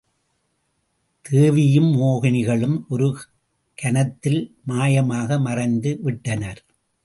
தேவி யும் மோகினிகளும் ஒரு கனத்தில் மாயமாக மறைந்து விட்டனர்.